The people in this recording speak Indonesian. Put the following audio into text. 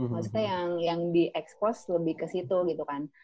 maksudnya yang di expose lebih ke situ gitu kan